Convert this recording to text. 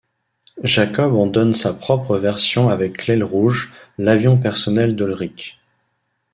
Jacobs en donne sa propre version avec l'Aile rouge, l'avion personnel d'Olrik.